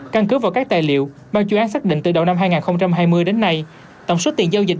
căn cứ vào các tài liệu ban chuyên án xác định từ đầu năm hai nghìn hai mươi đến nay tổng số tiền giao dịch